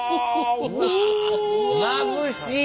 まぶしい！